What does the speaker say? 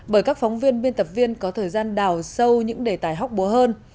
bởi các phóng viên biên tập viên có thời gian đào sâu những đề tài hóc búa hơn